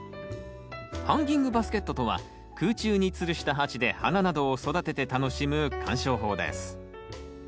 ハンギングバスケットとは空中につるした鉢で花などを育てて楽しむ鑑賞法です。